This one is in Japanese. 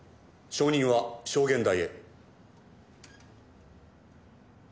証人は証言台へ。